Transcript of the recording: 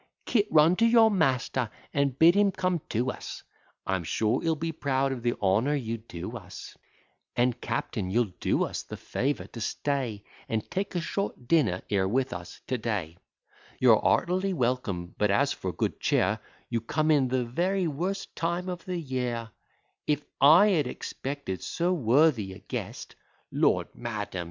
'Kit, run to your master, and bid him come to us; I'm sure he'll be proud of the honour you do us; And, captain, you'll do us the favour to stay, And take a short dinner here with us to day: You're heartily welcome; but as for good cheer, You come in the very worst time of the year; If I had expected so worthy a guest ' 'Lord, madam!